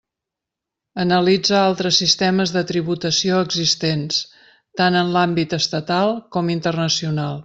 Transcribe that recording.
Analitza altres sistemes de tributació existents tant en l'àmbit estatal com internacional.